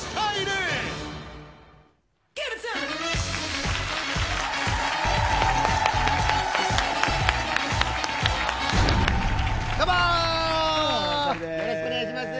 よろしくお願いします。